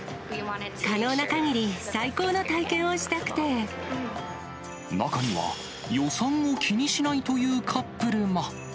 可能なかぎり、中には、予算を気にしないというカップルも。